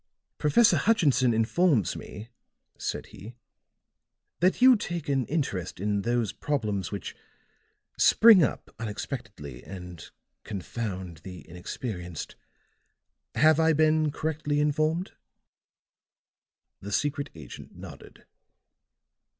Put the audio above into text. "Professor Hutchinson informs me," said he, "that you take an interest in those problems which spring up unexpectedly and confound the inexperienced. Have I been correctly informed?" The secret agent nodded.